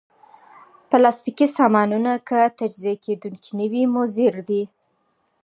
پلاستيکي سامانونه که تجزیه کېدونکي نه وي، مضر دي.